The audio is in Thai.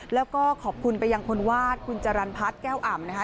แล้วก็ขอบคุณไปยังคนวาดคุณจรรพัฒน์แก้วอ่ำนะคะ